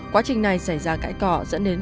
quá trình này xảy ra cãi cọ dẫn đến